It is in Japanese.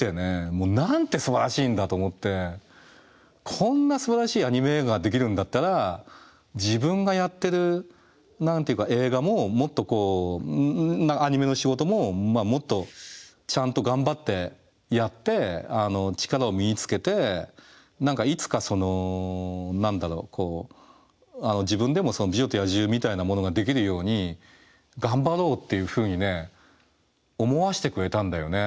もうなんてすばらしいんだと思ってこんなすばらしいアニメ映画ができるんだったら自分がやってる映画ももっとこうアニメの仕事ももっとちゃんと頑張ってやって力を身につけていつかその自分でも「美女と野獣」みたいなものができるように頑張ろうっていうふうにね思わせてくれたんだよね。